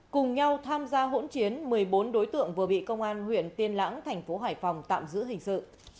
cùng nhau tham gia hỗn chiến một mươi bốn đối tượng vừa bị công an huyện tiên lãng thành phố hải phòng tạm giữ hình sự